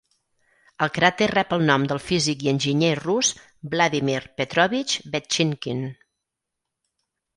El cràter rep el nom del físic i enginyer rus Vladimir Petrovich Vetchinkin.